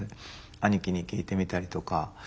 兄貴に聞いてみたりとか。